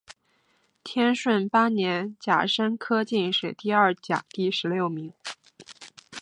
天顺八年甲申科进士第二甲第十六名。